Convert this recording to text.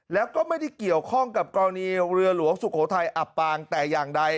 แล้วก็ไม่ได้เกี่ยวข้องกับกรณีเรือหลวงสุโขทัยอับปางแต่อย่างใด